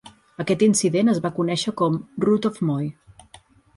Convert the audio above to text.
Aquest indicent es va conèixer com "Rout of Moy"